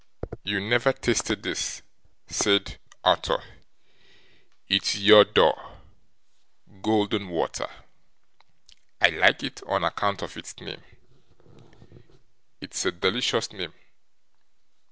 'You never tasted this,' said Arthur. 'It's EAU D'OR golden water. I like it on account of its name. It's a delicious name.